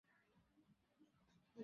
নহিলে আমি সমস্ত নদীর জলে ফেলিয়া দিব।